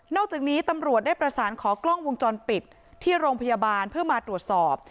อกจากนี้ตำรวจได้ประสานขอกล้องวงจรปิดที่โรงพยาบาลเพื่อมาตรวจสอบ